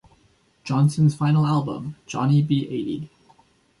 Johnson's final album, Johnnie Be Eighty.